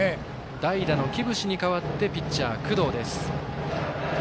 代打の木伏に代わってピッチャー、工藤です。